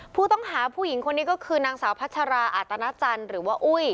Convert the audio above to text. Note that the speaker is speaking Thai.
ผู้ต้องหาผู้หญิงคนนี้ก็คือนางสาวพัชราอาตนาจันทร์หรือว่าอุ้ย